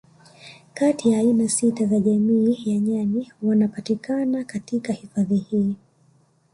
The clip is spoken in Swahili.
Kati ya aina sita za jamii ya nyani wanapatikana katika hifadhi hii